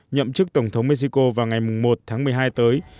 nhậm chức tổng thống mexico vào ngày một tháng một mươi hai tới